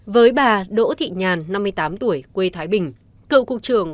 với bà đỗ thị nhàn năm mươi tám tuổi quê thái bình cựu cục trưởng